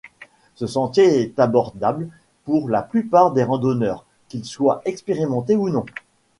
Ce sentier est abordable pour la plupart des randonneurs, qu'ils soient expérimentés ou non.